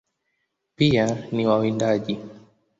Pia ni wawindaji.